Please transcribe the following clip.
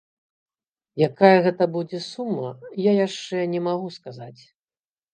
Якая гэта будзе сума, я яшчэ не магу сказаць.